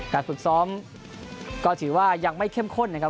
ฝึกซ้อมก็ถือว่ายังไม่เข้มข้นนะครับ